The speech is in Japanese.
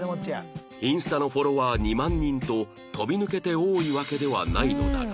インスタのフォロワー２万人と飛び抜けて多いわけではないのだが